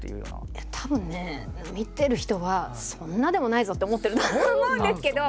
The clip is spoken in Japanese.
いやたぶんね見てる人はそんなでもないぞって思ってるんだと思うんですけど。